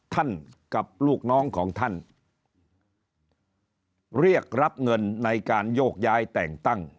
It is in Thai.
กับลูกน้องของท่านเรียกรับเงินในการโยกย้ายแต่งตั้ง